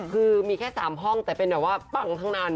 คือมีแค่๓ห้องแต่เป็นแบบว่าปังทั้งนั้น